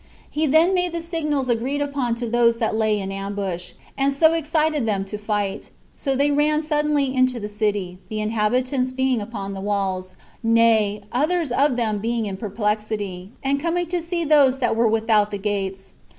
He then made the signals agreed upon to those that lay in ambush, and so excited them to fight; so they ran suddenly into the city, the inhabitants being upon the walls, nay, others of them being in perplexity, and coming to see those that were without the gates.